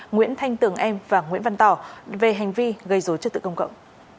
nguyễn thanh tường em và nguyễn văn tỏ về hành vi gây dối chức tự công cộng